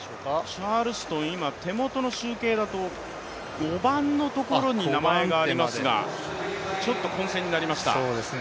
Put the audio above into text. チャールストン、今、手元の集計だと５番のところに名前がありますが、ちょっと混戦になりました。